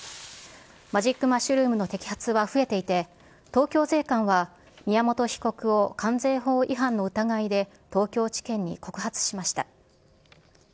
マジックマッシュルームの摘発は増えていて、東京税関は、宮本被告を関税法違反の疑いで、東京地検に告発しました。